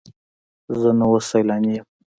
زه نو اوس سیلانی یم.